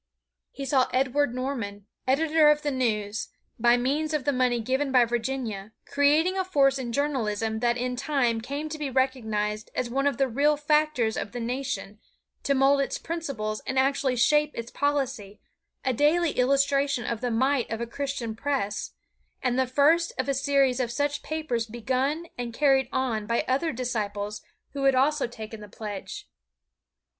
He saw Edward Norman, editor of the NEWS, by means of the money given by Virginia, creating a force in journalism that in time came to be recognized as one of the real factors of the nation to mold its principles and actually shape its policy, a daily illustration of the might of a Christian press, and the first of a series of such papers begun and carried on by other disciples who had also taken the pledge.